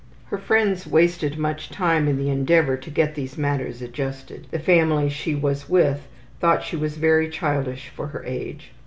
Her friends wasted much time in the endeavor to get these matters adjusted. The family she was with thought she was very childish for her age.